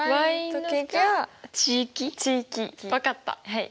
はい。